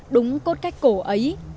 đúng cốt cách cổ ấy